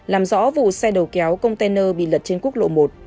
làm rõ vụ xe đầu kéo container bị lật trên quốc lộ một